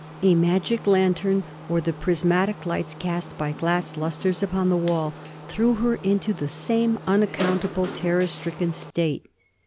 A magic lantern, or the prismatic lights cast by glass lustres upon the wall, threw her into the same unaccountable terror stricken state.